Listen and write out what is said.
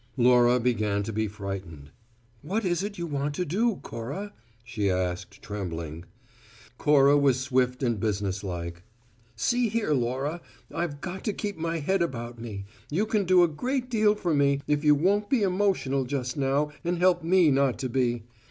Laura began to be frightened. "What is it you want to do, Cora?" she asked, trembling. Cora was swift and business like. "See here, Laura, I've got to keep my head about me. You can do a great deal for me, if you won't be emotional just now, and help me not to be.